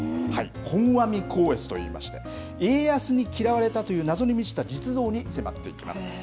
本阿弥光悦といいまして、家康に嫌われたという、謎に満ちた実像に迫っていきます。